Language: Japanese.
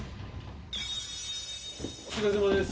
お疲れさまです。